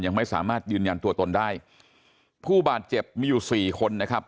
ยังไม่สามารถยืนยันตัวตนได้ผู้บาดเจ็บมีอยู่สี่คนนะครับ